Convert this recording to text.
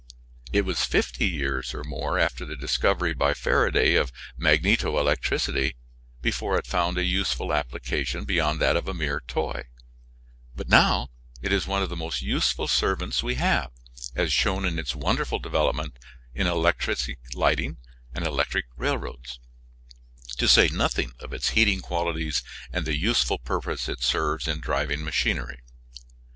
It was fifty years or more after the discovery by Faraday of magneto electricity before it found a useful application beyond that of a mere toy, but now it is one of the most useful servants we have, as shown in its wonderful development in electric lighting and electric railroads, to say nothing of its heating qualities and the useful purpose it serves in driving machinery.